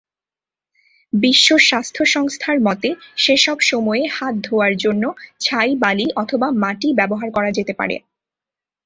বিশ্ব স্বাস্থ্য সংস্থার মতে, সেসব সময়ে হাত ধোয়ার জন্য ছাই, বালি অথবা মাটি ব্যবহার করা যেতে পারে।